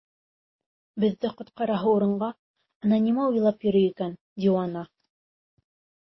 Беҙҙе ҡотҡараһы урынға, ана нимә уйлап йөрөй икән, диуана!